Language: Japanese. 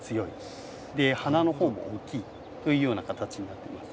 花の方も大きいというような形になってます。